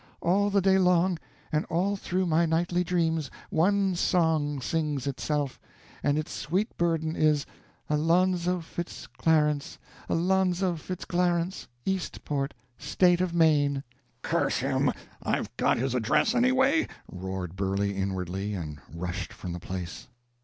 All the day long, and all through my nightly dreams, one song sings itself, and its sweet burden is, 'Alonzo Fitz Clarence, Alonzo Fitz Clarence, Eastport, state of Maine!'" "Curse him, I've got his address, anyway!" roared Burley, inwardly, and rushed from the place.